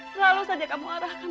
selalu saja kamu arahkan